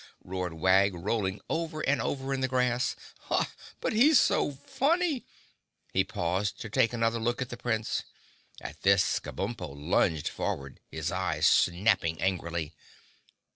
roared Wag, rolling over and over in the grass. "But he's so funny!" He paused to take another look at the Prince. At this Kabumpo lunged forward, his eyes snapping angrily.